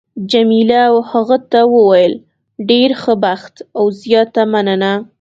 جميله هغه ته وویل: ډېر ښه بخت او زیاته مننه.